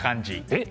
えっ？